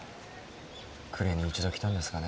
暮れに一度来たんですがね。